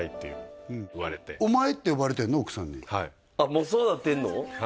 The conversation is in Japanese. もうそうなってんの？